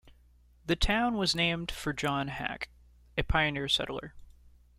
The town was named for John Hack, a pioneer settler.